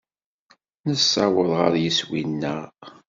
Nessaweḍ ɣer yeswi-nneɣ.